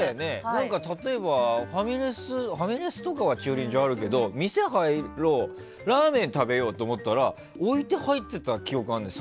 例えば、ファミレスとかは駐輪場あるけど店に入ろうラーメン食べようと思ったら置いて入ってた記憶があるのよ